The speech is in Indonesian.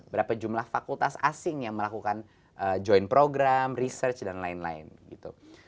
berapa jumlah fakultas asing yang melakukan joint program research dan lain lain gitu